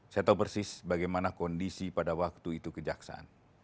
saya tahu persis bagaimana kondisi pada waktu itu kejaksaan